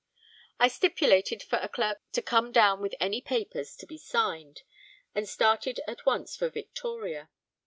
I stipulated for a clerk to come down with any papers to be signed, and started at once for Victoria.